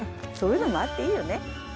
そういうのもあっていいよね。